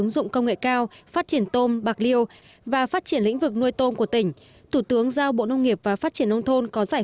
xin chào và hẹn gặp lại